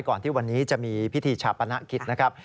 ก่อนที่วันนี้จะมีพิธีฉปันนาภิกษ์